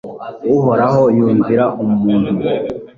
uhoraho yumvira umuntu